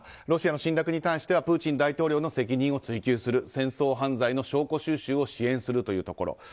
ロシアの侵略に対してはプーチン大統領の責任を追及する戦争犯罪の証拠収集を支援するというところ。